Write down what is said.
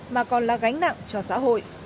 mà còn là gánh nặng cho xã hội